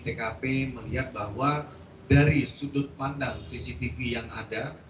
tkp melihat bahwa dari sudut pandang cctv yang ada